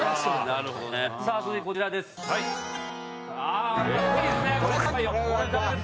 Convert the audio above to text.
続いてこちらです。